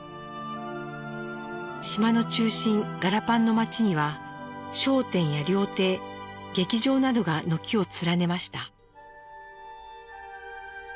島の中心ガラパンの街には商店や料亭劇場などが軒を連ねました。